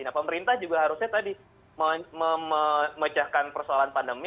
nah pemerintah juga harusnya tadi memecahkan persoalan pandemi